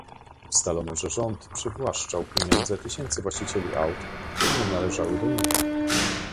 Ustalono, że rząd przywłaszczał pieniądze tysięcy właścicieli aut, które nie należały do niego